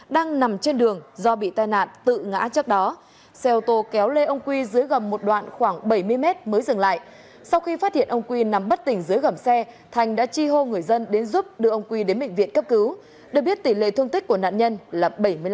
đang nằm trên đường do bị tai nạn tự ngã trước đó xe ô tô kéo lê ông quy dưới gầm một đoạn khoảng bảy mươi mét mới dừng lại sau khi phát hiện ông quy nằm bất tỉnh dưới gầm xe thành đã chi hô người dân đến giúp đưa ông quy đến bệnh viện cấp cứu được biết tỷ lệ thương tích của nạn nhân là bảy mươi năm